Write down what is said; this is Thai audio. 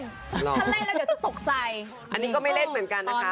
ถ้าเล่นแล้วเดี๋ยวจะตกใจอันนี้ก็ไม่เล่นเหมือนกันนะคะ